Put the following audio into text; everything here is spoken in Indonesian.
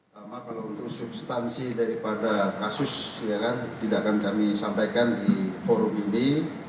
pertama kalau untuk substansi daripada kasus tidak akan kami sampaikan di forum ini